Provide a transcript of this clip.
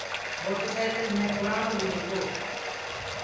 موٽر سيڪل مينٚ پُرآڻو ليٚنو تو۔